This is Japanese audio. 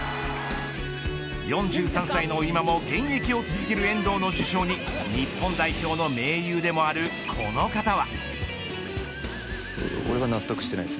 ４３歳の今も現役を続ける遠藤の受賞に日本代表の盟友でもあるこの方は。